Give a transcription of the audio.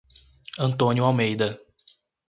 Antônio Almeida